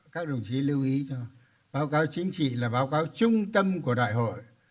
các đồng chí lưu ý cho báo cáo chính trị là báo cáo trung tâm của đại hội